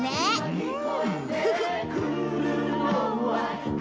うん！